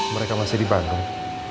mereka masih di bandung